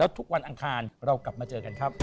ทุกวันอังคารเรากลับมาเจอกันครับ